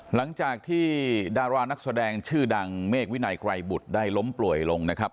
หลังจากที่ดารานักแสดงชื่อดังเมฆวินัยไกรบุตรได้ล้มป่วยลงนะครับ